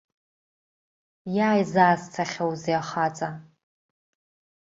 Иааизаасцахьоузеи ахаҵа!